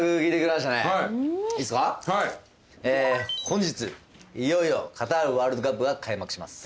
本日いよいよカタールワールドカップが開幕します。